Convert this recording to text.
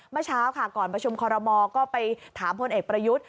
เมื่อเช้าค่ะก่อนประชุมคอรมอลก็ไปถามพลเอกประยุทธ์